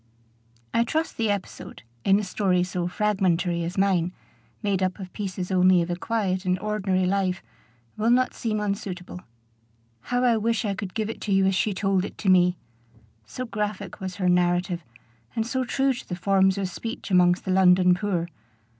I trust the episode, in a story so fragmentary as mine, made up of pieces only of a quiet and ordinary life, will not seem unsuitable. How I wish I could give it you as she told it to me! so graphic was her narrative, and so true to the forms of speech amongst the London poor.